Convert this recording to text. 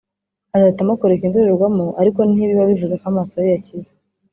azahitamo kureka indorerwamo ariko ntibiba bivuze ko amaso ye yakize